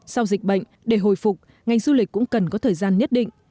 sau dịch bệnh để hồi phục ngành du lịch cũng cần có thời gian nhất định